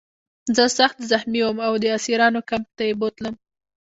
زه سخت زخمي وم او د اسیرانو کمپ ته یې بوتلم